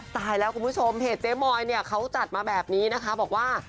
ตายแล้วคุณผู้ชมเพจเจ๊มอยเนี่ยเขาจัดมาแบบนี้นะคะบอกว่า